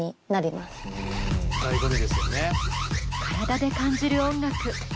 体で感じる音楽。